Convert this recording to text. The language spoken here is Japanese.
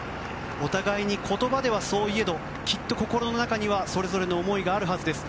お互いに言葉ではそう言えどきっと心の中にはそれぞれの思いがあるはずです。